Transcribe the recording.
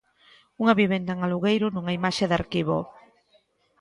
Unha vivenda en alugueiro, nunha imaxe de arquivo.